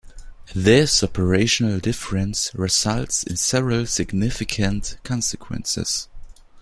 This operational difference results in several significant consequences.